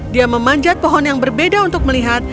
dia memanjat pohon yang berbeda untuk melihat